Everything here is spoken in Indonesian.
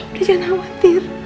udah jangan khawatir